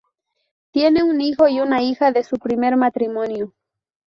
Tiene un hijo y una hija de su primer matrimonio.